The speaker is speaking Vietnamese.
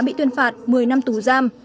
bị tuyên phạt một mươi năm tù giam